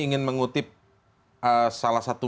ingin mengutip salah satu